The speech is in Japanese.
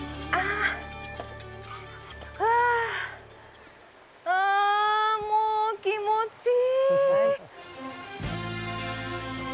うわっ、もう気持ちいい。